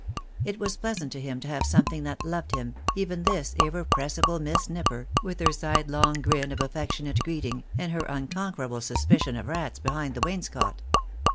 It was pleasant to him to have something that loved him, even this irrepressible Miss Nipper, with her sidelong grin of affectionate greeting, and her unconquerable suspicion of rats behind the wainscot.